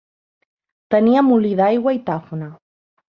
Tenia molí d'aigua i tafona.